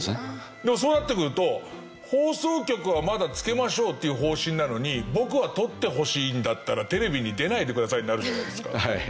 でもそうなってくると放送局はまだつけましょうっていう方針なのに僕は「取ってほしいんだったらテレビに出ないでください」になるじゃないですか。